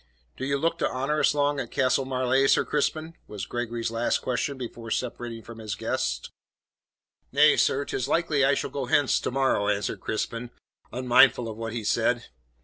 "Do you look to honour us long at Castle Marleigh, Sir Crispin?" was Gregory's last question before separating from his guest. "Nay, sir, 'tis likely I shall go hence to morrow," answered Crispin, unmindful of what he said.